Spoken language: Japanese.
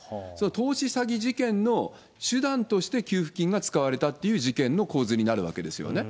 投資詐欺事件の手段として給付金が使われたという事件の構図になるわけですよね。